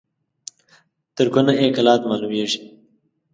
تر کونه يې کلات معلومېږي.